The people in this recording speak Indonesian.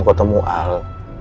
kau temu al